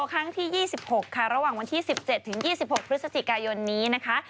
ครั้งที่๒๖ค่ะระหว่างวันที่๑๗ถึง๒๖พฤศจิกายนนี้นะคะ